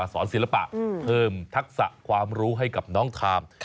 ศิลปะเพิ่มทักษะความรู้ให้กับน้องทาม